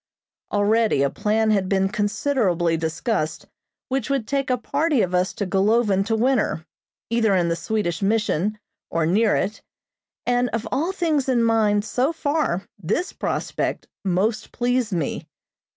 Already a plan had been considerably discussed which would take a party of us to Golovin to winter, either in the Swedish mission or near it, and of all things in mind so far this prospect most pleased me.